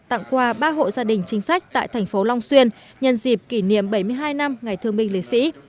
tặng quà ba hộ gia đình chính sách tại thành phố long xuyên nhân dịp kỷ niệm bảy mươi hai năm ngày thương minh lễ sĩ